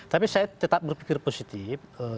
tapi saya tetap berpikir positif